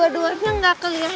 apa dong asiknya